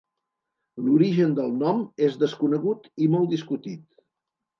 L'origen del nom és desconegut i molt discutit.